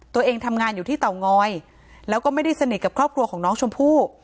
ตัวเองทำงานอยู่ที่เตางอยแล้วก็ไม่ได้สนิทกับครอบครัวของน้องชมพู่